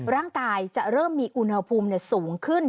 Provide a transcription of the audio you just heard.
ร่างกายจะเริ่มมีอุณหภูมิสูงขึ้น